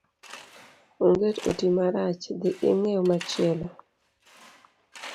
Onget oti marach dhi ing'iew machielo.